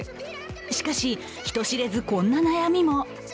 しかし、人知れず、こんな悩みも。